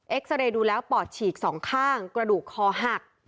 ซาเรย์ดูแล้วปอดฉีกสองข้างกระดูกคอหัก